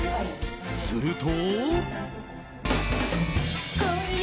すると。